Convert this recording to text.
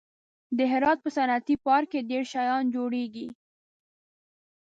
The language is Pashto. د هرات په صنعتي پارک کې ډېر شیان جوړېږي.